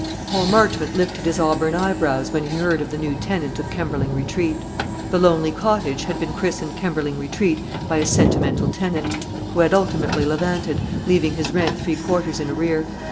Paul Marchmont lifted his auburn eyebrows when he heard of the new tenant of Kemberling Retreat. The lonely cottage had been christened Kemberling Retreat by a sentimental tenant; who had ultimately levanted, leaving his rent three quarters in arrear.